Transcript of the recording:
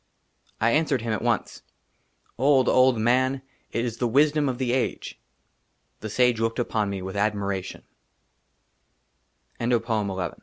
I ANSWERED HIM AT ONCE, " OLD, OLD MAN, IT IS THE WISDOM OF THE AGE." THE SAGE LOOKED UPON ME WITH ADMIRATION. 12 i ''^.< ii.